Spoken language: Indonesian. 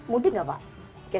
mudik nggak pak